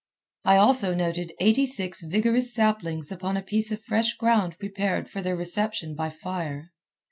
I also noted eighty six vigorous saplings upon a piece of fresh ground prepared for their reception by fire.